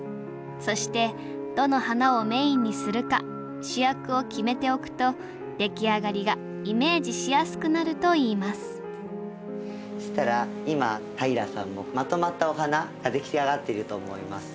そしてどの花をメインにするか主役を決めておくとできあがりがイメージしやすくなるといいますそしたら今平さんもまとまったお花ができあがっていると思います。